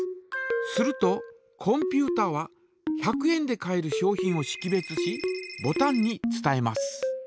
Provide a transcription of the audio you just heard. するとコンピュータは１００円で買える商品をしき別しボタンに伝えます。